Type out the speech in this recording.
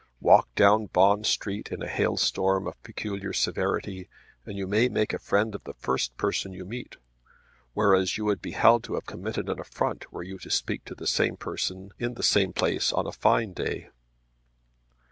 Walk down Bond Street in a hailstorm of peculiar severity and you may make a friend of the first person you meet, whereas you would be held to have committed an affront were you to speak to the same person in the same place on a fine day.